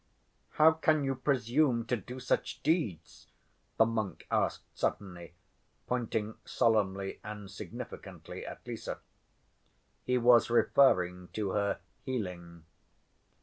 "How can you presume to do such deeds?" the monk asked suddenly, pointing solemnly and significantly at Lise. He was referring to her "healing."